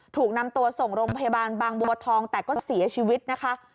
ถูกนำตัวส่งโรงพยาบาลบางบัวทองแต่ก็เสียชีวิตนะคะ